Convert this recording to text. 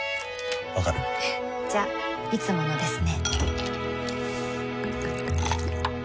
わかる？じゃいつものですね